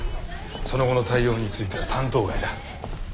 その後の対応については担当外だ。